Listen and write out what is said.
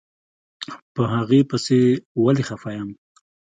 په هغې پسې ولې خپه يم.